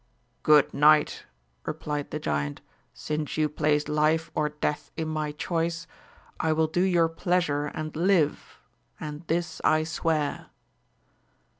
Good knight, replied the giant, since you place life or death in my choice, I will do your plea 166 AMADIS OF GAUL. sure and live, and this I swear.